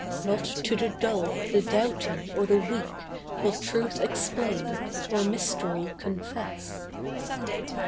Not to the dull, the doubting, or the weak, Will Truth explain, or Mystery confess.